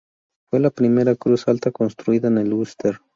Fue la primera cruz alta construida en el Ulster.